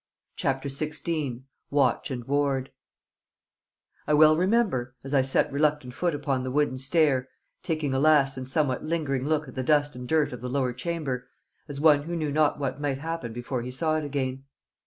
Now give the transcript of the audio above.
CHAPTER XVI Watch and Ward I well remember, as I set reluctant foot upon the wooden stair, taking a last and somewhat lingering look at the dust and dirt of the lower chamber, as one who knew not what might happen before he saw it again.